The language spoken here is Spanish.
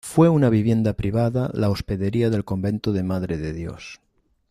Fue una vivienda privada y la hospedería del convento de Madre de Dios.